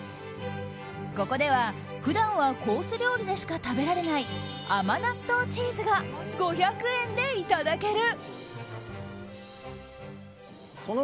ここでは普段はコース料理でしか食べられない甘納豆チーズが５００円でいただける。